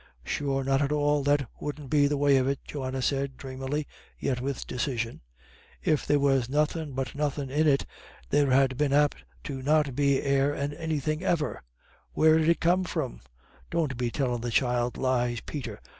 "Sure not at all; that wouldn't be the way of it," Johanna said, dreamily, yet with decision. "If there was nothin' but nothin' in it, there'd ha' been apt to not be e'er an anythin' ever. Where'd it ha' come from? Don't be tellin' the child lies, Peter.